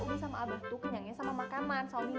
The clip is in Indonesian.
supaya umi sama abes tuh kenyangnya sama makanan sama minuman